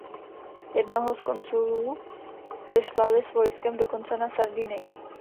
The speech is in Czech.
Jednoho z konzulů vyslali s vojskem dokonce na Sardinii.